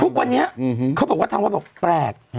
ทุกวันนี้เขาบอกว่าทางวัดบอกแปลก